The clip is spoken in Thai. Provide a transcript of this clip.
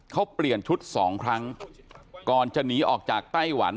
เขาเปลี่ยนชุดสองครั้งก่อนจะหนีออกจากไต้หวัน